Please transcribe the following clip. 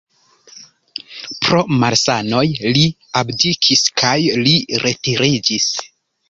Pro malsanoj li abdikis kaj li retiriĝis.